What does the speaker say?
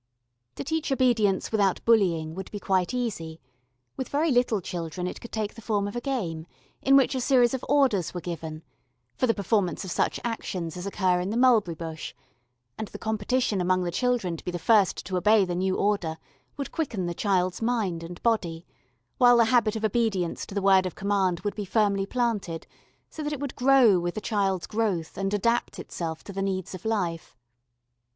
To teach obedience without bullying would be quite easy: with very little children it could take the form of a game, in which a series of orders were given for the performance of such actions as occur in the mulberry bush; and the competition among the children to be the first to obey the new order would quicken the child's mind and body, while the habit of obedience to the word of command would be firmly planted, so that it would grow with the child's growth and adapt itself to the needs of life.